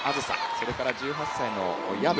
それから１８歳の薮。